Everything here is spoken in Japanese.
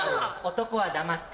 男は黙って。